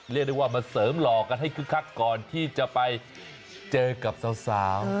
เรียกได้ว่ามาเสริมหล่อกันให้คึกคักก่อนที่จะไปเจอกับสาว